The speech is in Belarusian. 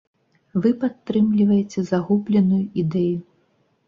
Вы падтрымліваеце загубленую ідэю.